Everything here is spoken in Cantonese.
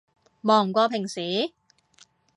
忙過平時？